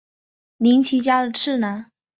绫崎家的次男。